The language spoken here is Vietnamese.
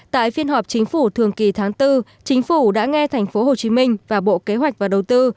tại phiên họp chính phủ thường kỳ tháng bốn chính phủ đã nghe thành phố hồ chí minh và bộ kế hoạch và đầu tư